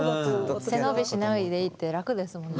背伸びしないでいいって楽ですもんね